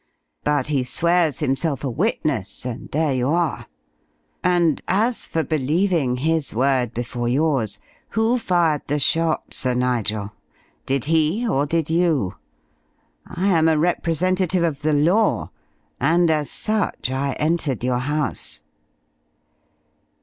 But he swears himself a witness, and there you are. And as for believing his word before yours who fired the shot, Sir Nigel? Did he, or did you? I am a representative of the Law and as such I entered your house."